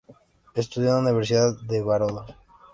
Estudio en la Universidad de Baroda.